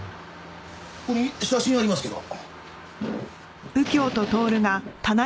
ここに写真ありますけど。